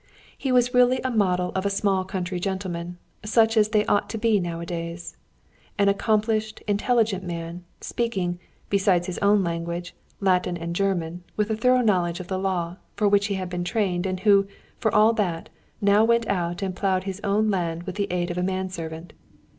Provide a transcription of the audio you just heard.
He was really a model of a "small country gentleman," such as they ought to be nowadays. An accomplished, intelligent man, speaking, besides his own language, Latin and German, with a thorough knowledge of the law, for which he had been trained, and who, for all that, now went out and ploughed his own land with the aid of a man servant.